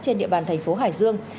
trên địa bàn thành phố hải dương